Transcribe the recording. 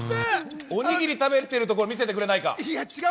おにぎり食べてるところを見せれくれないか。